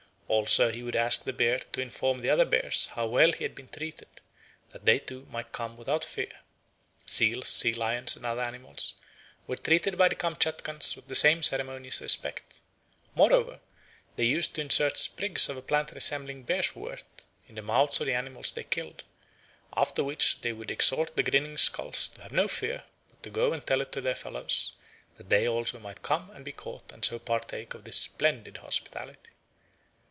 Also he would ask the bear to inform the other bears how well he had been treated, that they too might come without fear. Seals, sea lions, and other animals were treated by the Kamtchatkans with the same ceremonious respect. Moreover, they used to insert sprigs of a plant resembling bear's wort in the mouths of the animals they killed; after which they would exhort the grinning skulls to have no fear but to go and tell it to their fellows, that they also might come and be caught and so partake of this splendid hospitality.